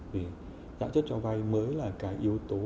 vì lãi suất cho vay mới là cái yếu tố